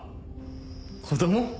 子供？